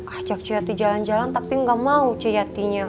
ajak ci yati jalan jalan tapi ga mau ci yatinya